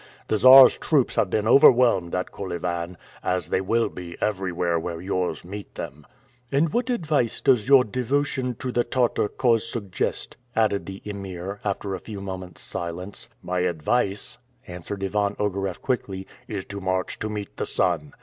The Czar's troops have been overwhelmed at Kolyvan, as they will be everywhere where yours meet them." "And what advice does your devotion to the Tartar cause suggest?" asked the Emir, after a few moments' silence. "My advice," answered Ivan Ogareff quickly, "is to march to meet the sun.